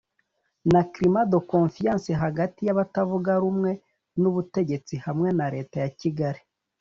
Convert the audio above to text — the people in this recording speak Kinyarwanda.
na climat de confiance hagati y’abatavuga rumwe n’ubutegetsi hamwe na leta ya Kigali